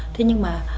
thế nhưng mà